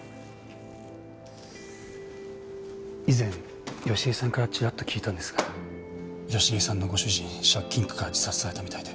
以前佳恵さんからちらっと聞いたんですが佳恵さんのご主人借金苦から自殺されたみたいで。